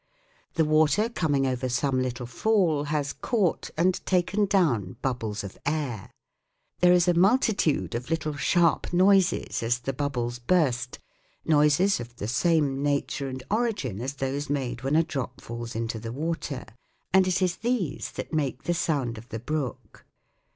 The water coming over some little fall has caught and taken down bubbles of air ; there is a multitude of little sharp noises as the bubbles burst, noises of the same nature and origin as those made when a 9 130 THE WORLD OF SOUND drop falls into the water, and it is these that make the sound of the brook.